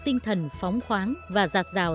tinh thần phóng khoáng và giặt rào